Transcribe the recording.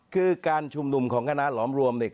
คือการชุมนุมของคณะหลอมรวมเนี่ย